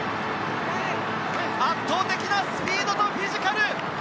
圧倒的なスピードとフィジカル。